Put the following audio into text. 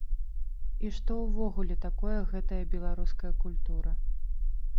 І што ўвогуле такое гэтая беларуская культура.